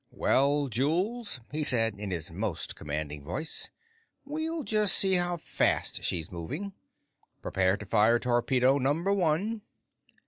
"Well, Jules," he said in his most commanding voice, "we'll see just how fast she's moving. Prepare to fire Torpedo Number One!"